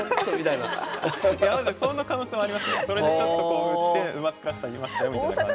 それでちょっとこう打って馬作らせてあげましたよみたいな感じは。